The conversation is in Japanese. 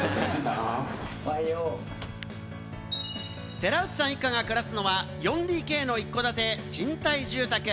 寺内さん一家が暮らすのは、４ＤＫの一戸建て賃貸住宅。